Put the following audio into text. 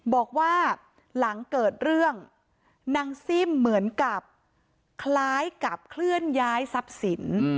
บอกว่าหลังเกิดเรื่องนางซิ่มเหมือนกับคล้ายกับเคลื่อนย้ายทรัพย์สิน